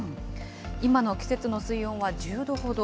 今の季節の水温は１０度ほど。